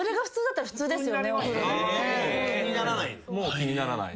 気にならない？